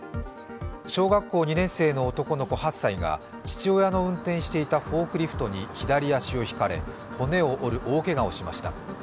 小学校２年生の男の子８歳が父親の運転していたフォークリフトに左足をひかれ骨を折る大けがをしました。